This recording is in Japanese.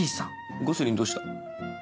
ゴスリンどうした？